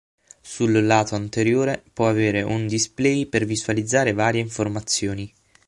Sul lato anteriore può avere un display per visualizzare varie informazioni.